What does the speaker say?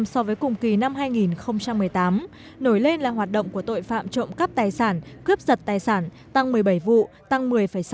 so với cùng kỳ năm hai nghìn một mươi tám nổi lên là hoạt động của tội phạm trộm cắp tài sản cướp giật tài sản tăng một mươi bảy vụ tăng một mươi sáu